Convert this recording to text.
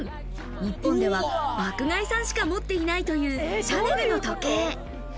日本では爆買いさんしか持っていないというシャネルの時計。